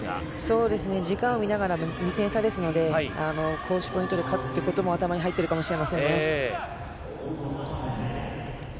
時間を見ながら２点差ですので、ポイントで勝つということも頭に入っているかもしれませんね。